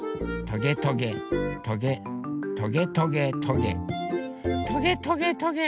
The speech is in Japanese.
トゲトゲトゲトゲトゲトゲ。